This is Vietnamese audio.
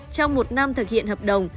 trong một năm thực hiện hợp đồng